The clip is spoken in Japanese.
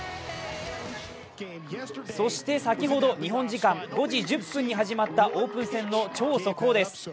そして先ほど、日本時間５時１０分に始まったオープン戦の超速報です。